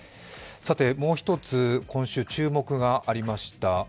もう一つ、今週注目がありました。